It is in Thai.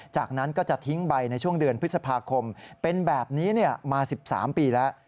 จากนั้นก็จะทิ้งใบในช่วงเดือนพฤษภาคมเป็นแบบนี้มา๑๓ปีแล้ว